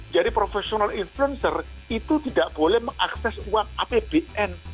jadi professional influencer itu tidak boleh mengakses uang apbn